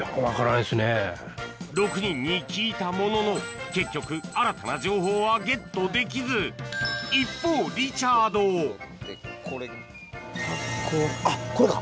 ６人に聞いたものの結局新たな情報はゲットできず一方リチャードタコあっこれか！